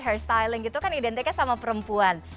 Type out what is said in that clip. hair styling itu kan identiknya sama perempuan